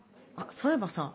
そういえばさ